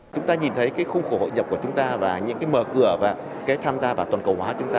chúng ta nhìn thấy khung khổ hội nhập của chúng ta và những mở cửa và tham gia vào toàn cầu hóa chúng ta